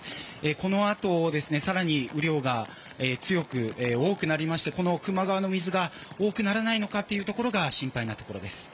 このあと、更に雨量が多くなりましてこの球磨川の水が多くならないのかというのが心配なところです。